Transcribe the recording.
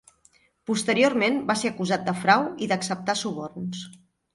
Posteriorment va ser acusat de frau i d'acceptar suborns.